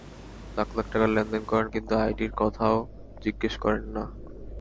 লাখ লাখ টাকা লেনদেন করেন, কিন্তু আইডির কথাও জিজ্ঞেস করেন না?